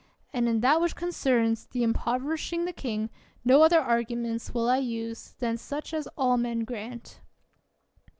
And in that which concerns the impov erishing the king, no other arguments will I use than such as all men grant.